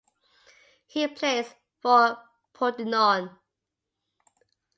He plays for Pordenone.